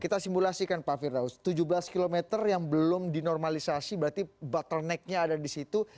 kita simulasikan pak firdaus tujuh belas km yang belum dinormalisasi berarti bottlenecknya ada di situ